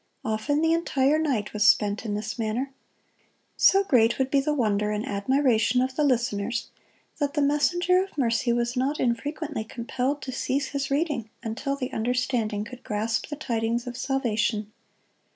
Often the entire night was spent in this manner. So great would be the wonder and admiration of the listeners that the messenger of mercy was not infrequently compelled to cease his reading until the understanding could grasp the tidings of salvation.